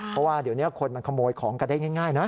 เพราะว่าเดี๋ยวนี้คนมันขโมยของกันได้ง่ายนะ